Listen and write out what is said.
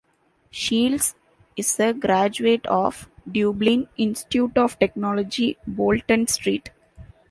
Shields is a graduate of Dublin Institute of Technology - Bolton Street.